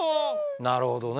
なるほどね。